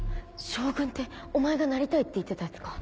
将軍ってお前がなりたいって言ってたやつか？